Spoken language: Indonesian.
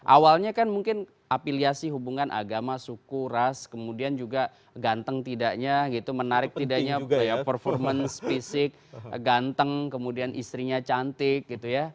awalnya kan mungkin afiliasi hubungan agama suku ras kemudian juga ganteng tidaknya gitu menarik tidaknya performance fisik ganteng kemudian istrinya cantik gitu ya